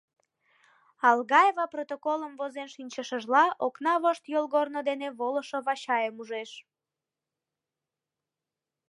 Алгаева, протоколым возен шинчышыжла, окна вошт йолгорно дене волышо Вачайым ужаш.